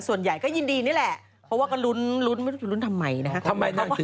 ส่วนใหญ่ก็ยินดีนี่แหละเพราะว่าก็ลุ้นทำไมนะฮะ